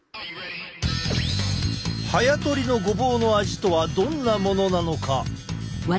早とりのごぼうの味とはどんなものなのか？